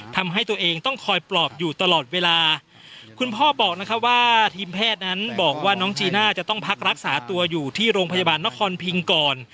ทำให้ตัวเองต้องคอยปลอบอยู่ตลอดเวลาคุณพ่อบอกนะคะว่าทีมแพทย์นั้นบอกว่าน้องจีน่าจะต้องพักรักษาตัวอยู่ที่โรงพยาบาลนครพิงก่อน